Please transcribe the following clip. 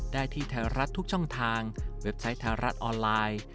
ได้ที่ไทยรัฐทุกช่องทางเว็บไซต์ไทยรัฐออนไลน์